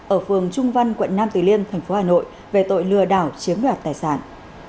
ở phường trung văn quận nam từ liêm thành phố hà nội về tội lừa đảo chiếm đoạt tài sản